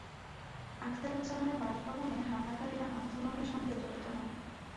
আখতারুজ্জামানের বাসভবনে হামলাকারীরা আন্দোলনের সঙ্গে জড়িত নন।